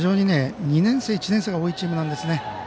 ２年生、１年生が多いチームなんですね。